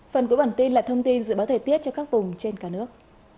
phần cuối bản tin là thông tin dự báo thời tiết cho các vùng trên cả nước